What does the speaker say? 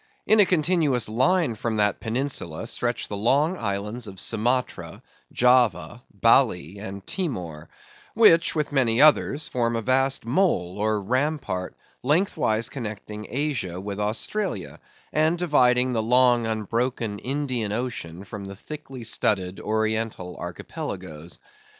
In a continuous line from that peninsula stretch the long islands of Sumatra, Java, Bally, and Timor; which, with many others, form a vast mole, or rampart, lengthwise connecting Asia with Australia, and dividing the long unbroken Indian ocean from the thickly studded oriental archipelagoes.